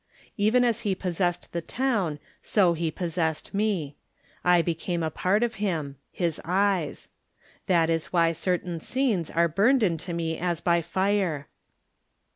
Even as he possessed the town so he possessed me. I became a part of him — his eyes. That is why certain scenes are burned into me as by fire.